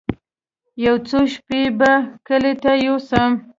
يو څو شپې به کلي ته يوسم.